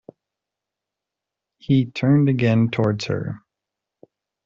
He turned again towards her.